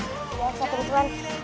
ya satri tuhan